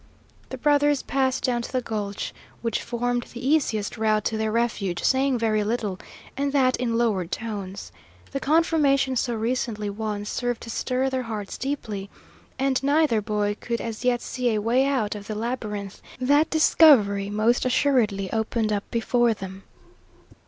The brothers passed down to the gulch, which formed the easiest route to their refuge, saying very little, and that in lowered tones. The confirmation so recently won served to stir their hearts deeply, and neither boy could as yet see a way out of the labyrinth that discovery most assuredly opened up before them.